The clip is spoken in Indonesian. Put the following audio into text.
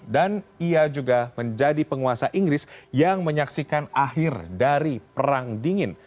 dan ia juga menjadi penguasa inggris yang menyaksikan akhir dari perang dingin